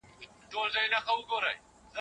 د هغوی نظریات د راپورته کولو لپاره اړین دي.